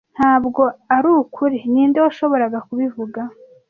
ntabwo arukuri ninde washoboraga kubivuga